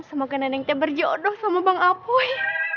semoga nenengnya berjodoh sama bang apoy